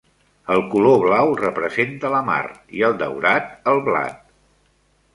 El color blau representa la mar, i el daurat el blat.